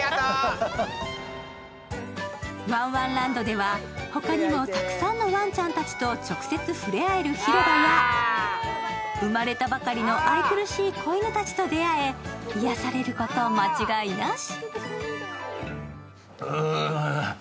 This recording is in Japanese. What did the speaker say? ワンワンランドではほかにもたくさんのワンちゃんたちと直接触れ合える広場や生まれたばかりの愛くるしい子犬たちと出会え癒やされること間違いなし。